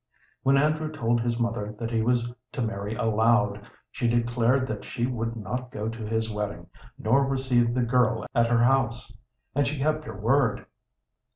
When Andrew told his mother that he was to marry a Loud, she declared that she would not go to his wedding, nor receive the girl at her house, and she kept her word.